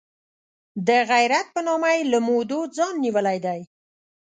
د غیرت په نامه یې له مودو ځان نیولی دی.